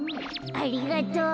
ありがとう。